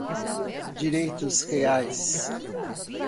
direitos reais